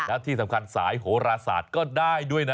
และที่สำคัญสายโหราศาสตร์ก็ได้ด้วยนะ